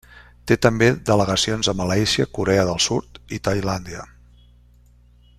Té també delegacions a Malàisia, Corea del Sud i Tailàndia.